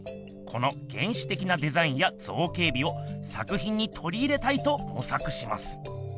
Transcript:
この原始的なデザインや造形美を作品にとり入れたいともさくします。